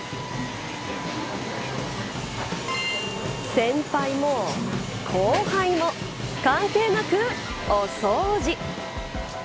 先輩も後輩も関係なくお掃除。